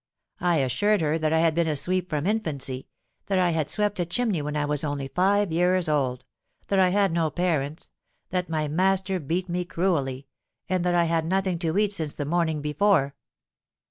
I assured her that I had been a sweep from infancy—that I had swept a chimney when I was only five years old—that I had no parents—that my master beat me cruelly—and that I had had nothing to eat since the morning before.